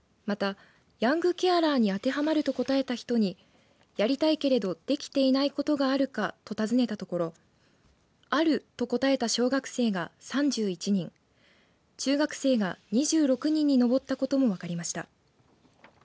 また、ヤングケアラーにあてはまると答えた人にやりたいけれどできていないことがあるかと尋ねたところあると答えた小学生が３１人中学生が２６人に上ったことも分かりました。